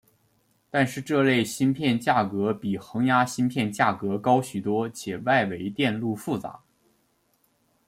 但是这类芯片价格比恒压芯片价格高许多且外围电路复杂。